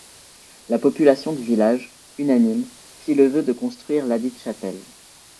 La population du village, unanime, fit le vœu de construire ladite chapelle.